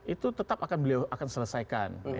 itu tetap akan beliau akan selesaikan